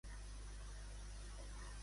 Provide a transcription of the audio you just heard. Quin és el títol en castellà?